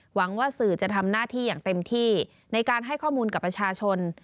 หวังว่าสื่อจะทำหน้าที่อย่างเต็มที่ในการให้ข้อมูลกับประชาชน